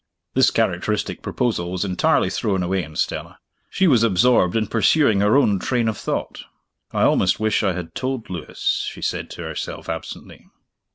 This characteristic proposal was entirely thrown away on Stella. She was absorbed in pursuing her own train of thought. "I almost wish I had told Lewis," she said to herself absently.